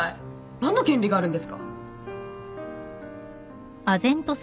何の権利があるんですか？